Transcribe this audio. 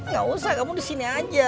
gak usah kamu disini aja